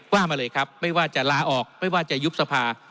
ว่ามาเลยครับไม่ว่าจะลาออกไม่ว่าจะยุบสภา